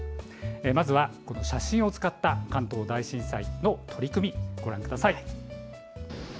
まずは写真を使った関東大震災の取り組みご覧ください。